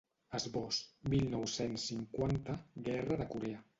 Esbós: mil nou-cents cinquanta, guerra de Corea.